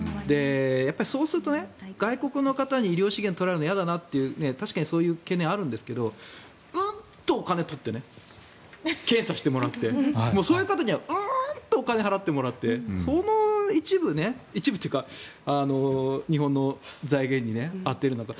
そうすると外国の方に医療資源を取られるのは嫌だって確かにそういう懸念があるんですがうんと払って検査してもらってそういう方にはうんとお金を払ってもらってその一部を日本の財源に充てるのか。